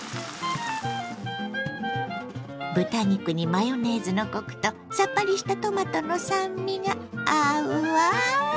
豚肉にマヨネーズのコクとさっぱりしたトマトの酸味が合うわ。